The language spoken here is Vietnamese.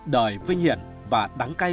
đời vinh hiển và đắng cay